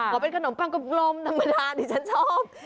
ขอเป็นขนมปังกลมนำมาดาที่ฉันชอบ